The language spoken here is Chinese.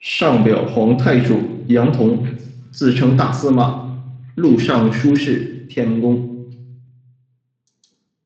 上表皇泰主杨侗，自称大司马、录尚书事、天门公。